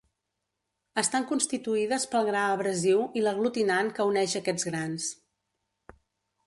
Estan constituïdes pel gra abrasiu i l'aglutinant que uneix aquests grans.